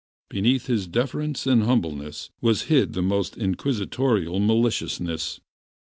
Beneath his deference and humbleness was hid the most inquisitorial maliciousness.